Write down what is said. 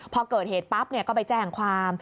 พอเกิดเหตุปั๊บก็ไปแจ้งความ